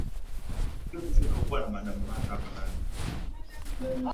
na kuonyesha kinyanganyiro cha duru la pili kitakuwa kati ya maren marigati dhidi